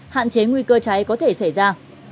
hạn chế nguy cơ cháy có thể xảy ra